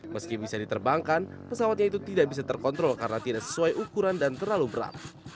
meski bisa diterbangkan pesawatnya itu tidak bisa terkontrol karena tidak sesuai ukuran dan terlalu berat